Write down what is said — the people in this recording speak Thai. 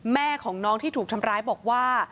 แม่ของน้องที่ถูกทำร้ายบอกว่า